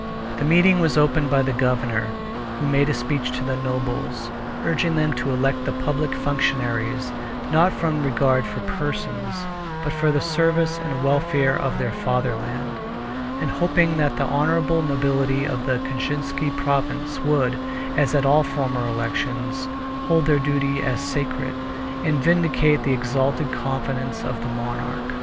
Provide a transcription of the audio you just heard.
The meeting was opened by the governor, who made a speech to the nobles, urging them to elect the public functionaries, not from regard for persons, but for the service and welfare of their fatherland, and hoping that the honorable nobility of the Kashinsky province would, as at all former elections, hold their duty as sacred, and vindicate the exalted confidence of the monarch.